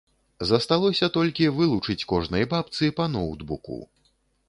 Засталося толькі вылучыць кожнай бабцы па ноўтбуку.